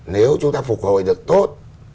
nếu chúng ta phục hồi được tốt